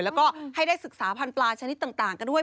แล้วก็ให้ได้ศึกษาพันธุปลาชนิดต่างกันด้วย